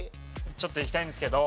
ちょっといきたいんですけど。